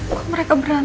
bukan mereka berantem